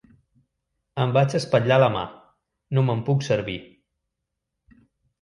Em vaig espatllar la mà: no me'n puc servir.